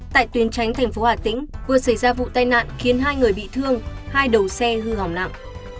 tại tuyến tránh thành phố hà tĩnh vừa xảy ra vụ tai nạn khiến hai người bị thương hai đầu xe hư hỏng nặng